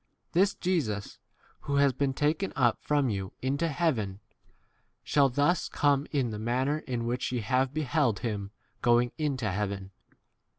This Jesus, who has been taken up from you into heaven, shall thus come in the manner in which ye have beheld 12 him going into heaven.